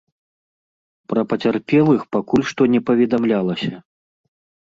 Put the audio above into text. Пра пацярпелых пакуль што не паведамлялася.